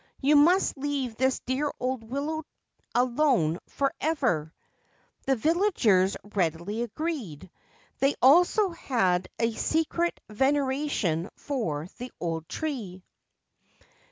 You must leave this dear old willow alone for ever/ The villagers readily agreed. They also had a secret veneration for the old tree.